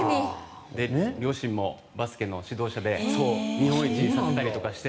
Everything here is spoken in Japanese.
両親もバスケの指導者で日本一にさせたりとか。